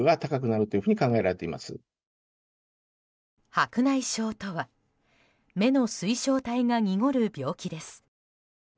白内障とは目の水晶体が濁る病気です。